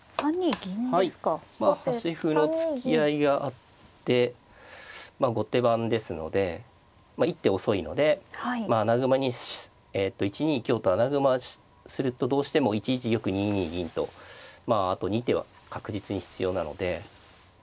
端歩の突き合いがあって後手番ですので一手遅いので穴熊にえと１二香と穴熊するとどうしても１一玉２二銀とまああと２手は確実に必要なので。